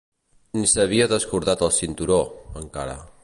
Ni s'havia descordat el cinturó, encara.